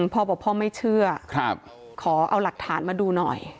พ่อบอกพ่อไม่เชื่อขอเอาหลักฐานมาดูหน่อย